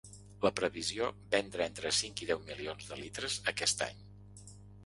La previsió vendre entre cinc i deu milions de litres aquest any.